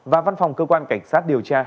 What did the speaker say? và văn phòng cơ quan cảnh sát điều tra